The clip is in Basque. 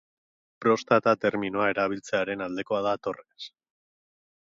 Prostata terminoa erabiltzearen aldekoa da Torres.